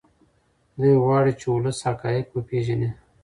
دی غواړي چې ولس حقایق وپیژني.